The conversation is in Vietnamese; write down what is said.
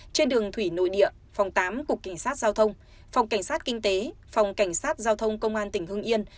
trên đường thủy nội địa phòng tám cục cảnh sát giao thông phòng cảnh sát kinh tế phòng cảnh sát giao thông công an tỉnh hưng yên